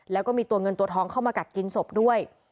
แล้วก็มีตัวเงินตัวทองเข้ามากัดกินศพด้วย